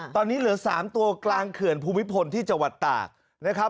ตอนนี้เหลือ๓ตัวกลางเขื่อนภูมิพลที่จังหวัดตากนะครับ